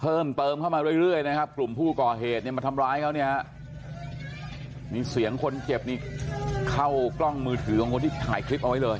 เพิ่มเติมเข้ามาเรื่อยนะครับกลุ่มผู้ก่อเหตุเนี่ยมาทำร้ายเขาเนี่ยมีเสียงคนเจ็บนี่เข้ากล้องมือถือของคนที่ถ่ายคลิปเอาไว้เลย